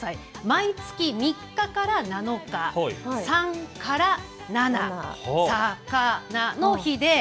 毎月３日から７日、さんからなな、さかなの日です。